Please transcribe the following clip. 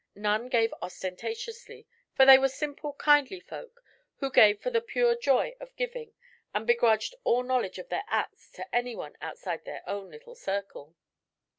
None gave ostentatiously, for they were simple, kindly folk who gave for the pure joy of giving and begrudged all knowledge of their acts to anyone outside their own little circle.